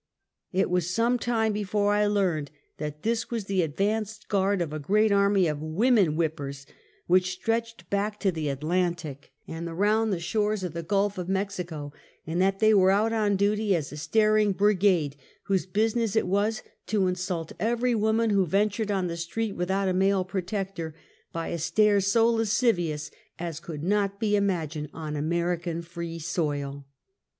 It was some time before I learned that this was the advance guard of a great army of woman whippers, which stretched away back to the Atlantic, and around Habitations of Horeid Ceueltt. 53 the shores of the Gulf of Mexico, and that they were out on duty as a staring brigade, whose business it was to ins alt every woman who ventured on the street without a male protector, by a stare so lascivious as could not be imagined on American free soil.